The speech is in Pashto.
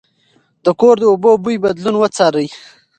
د کور د اوبو بوی بدلون وڅارئ.